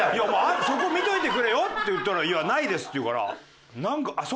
そこ見といてくれよって言ったらいやないですって言うからなんか。